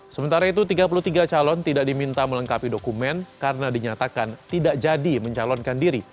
sementara itu tiga puluh tiga calon tidak diminta melengkapi dokumen karena dinyatakan tidak jadi mencalonkan diri